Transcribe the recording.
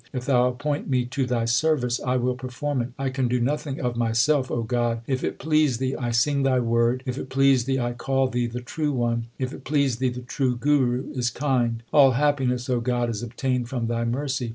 If Thou appoint me to Thy service I will perform it. I can do nothing of myself, O God. If it please Thee, I sing Thy word ; If it please Thee, I call Thee the True One ; If it please Thee, the true Guru is kind. All happiness, O God, is obtained from Thy mercy.